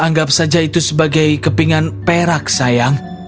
anggap saja itu sebagai kepingan perak sayang